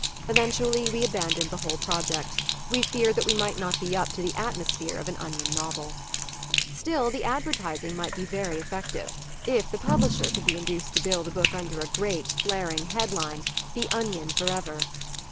Eventually we abandoned the whole project. We feared that we might not be up to the atmosphere of an onion novel. Still, the advertising might be very effective if the publisher could be induced to bill the book under a great, flaring headline, "The Onion Forever."